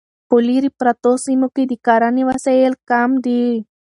په لیرې پرتو سیمو کې د کرنې وسایل کم دي.